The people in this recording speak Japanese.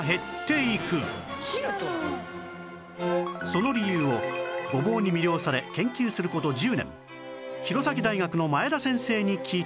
その理由をごぼうに魅了され研究する事１０年弘前大学の前多先生に聞いてみました